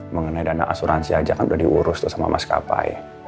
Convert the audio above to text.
mengenai dana asuransi aja kan udah diurus tuh sama maskapai